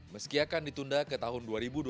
meski akan ditunda ke tahun dua ribu dua puluh